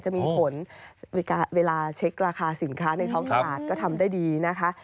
จะมีผลเวลาเช็คราคาสินค้าในท้องตลาดก็ทำได้ดีนะคะ